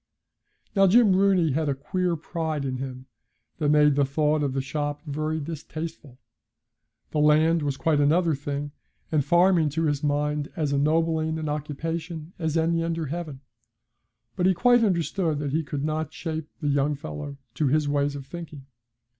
Now Jim Rooney had a queer pride in him that made the thought of the shop very distasteful. The land was quite another thing, and farming, to his mind, as ennobling an occupation as any under heaven. But he quite understood that he could not shape the young fellow to his ways of thinking.